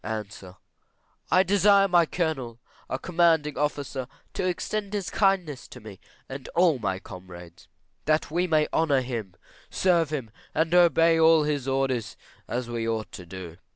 A. I desire my Colonel, our commanding officer, to extend his kindness to me and all my comrades; that we may honour him, serve him, and obey all his orders as we ought to do.